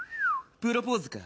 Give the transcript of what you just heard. プロポーズか。